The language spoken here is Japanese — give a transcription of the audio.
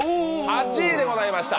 ８位でございました。